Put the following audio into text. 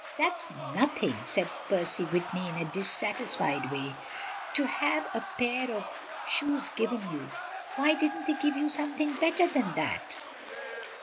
"That's nothing," said Percy Whitney in a dissatisfied way, "to have a pair of shoes given you. Why didn't they give you something better than that?"